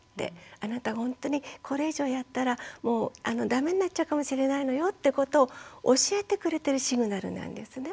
あなたほんとにこれ以上やったら駄目になっちゃうかもしれないのよってことを教えてくれてるシグナルなんですね。